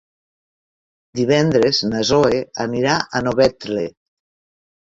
Divendres na Zoè anirà a Novetlè.